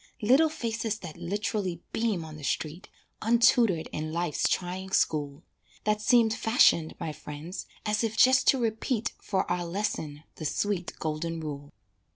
Little faces that lit'rally beam on the street, Untutored in Life's trying school, That seem fashioned, my friends, as if just to repeat For our lesson the sweet, golden rule.